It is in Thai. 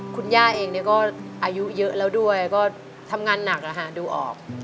คุณย่าเองก็อายุเยอะแล้วด้วยก็ทำงานหนักดูออก